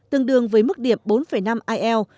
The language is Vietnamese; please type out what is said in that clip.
tương đương với mức điểm bốn năm il